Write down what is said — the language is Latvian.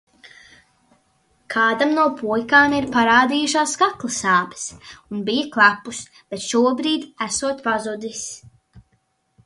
Kādam no puikām ir parādījušās kakla sāpes un bija klepus, bet šobrīd esot pazudis.